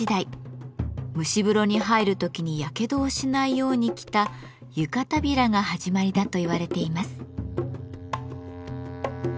蒸し風呂に入る時にやけどをしないように着た「湯帷子」が始まりだと言われています。